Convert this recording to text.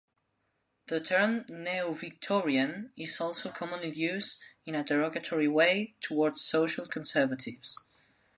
The term Neo-Victorian is also commonly used in a derogatory way towards social conservatives.